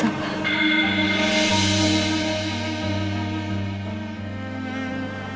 aku mau beresin kamarnya elsa